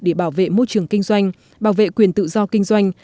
để bảo vệ môi trường kinh doanh bảo vệ quyền tự do kinh doanh